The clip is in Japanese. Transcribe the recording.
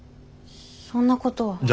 そんなことは。